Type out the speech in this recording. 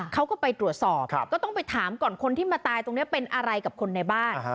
เขาก็ไปตรวจสอบก็ต้องไปถามก่อนคนที่มาตายตรงนี้เป็นอะไรกับคนในบ้าน